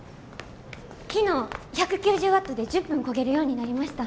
昨日１９０ワットで１０分こげるようになりました。